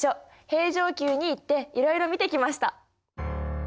平城宮に行っていろいろ見てきました。